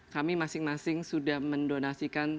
kami masing masing sudah mendonasikan